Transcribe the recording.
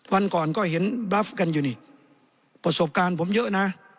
วันก่อนก็เห็นบราฟกันอยู่นี่ประสบการณ์ผมเยอะนะ